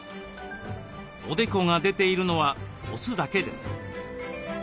おでこが出ているのはオスだけです。